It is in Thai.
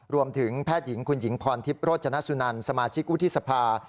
แพทย์หญิงคุณหญิงพรทิพย์โรจนสุนันสมาชิกวุฒิสภา